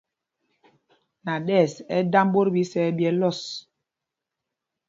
Naɗɛs á á dámb ɓot ɓɛ isɛɛ lɔs.